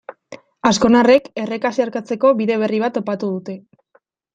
Azkonarrek erreka zeharkatzeko bide berri bat topatu dute.